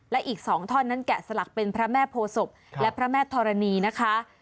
และอีก๒ท่อนนั้นแกะสลักเป็นพระแม่โพศพและพระแม่ธรณีนะคะ